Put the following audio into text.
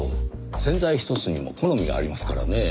洗剤ひとつにも好みがありますからねぇ。